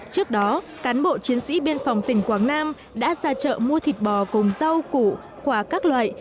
trước đó cán bộ chiến sĩ biên phòng tỉnh quảng nam đã ra chợ mua thịt bò cùng rau củ quả các loại